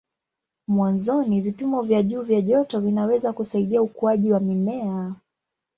Mwanzoni vipimo vya juu vya joto vinaweza kusaidia ukuaji wa mimea.